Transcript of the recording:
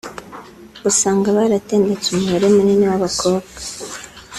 usanga baratendetse umubare munini w’abakobwa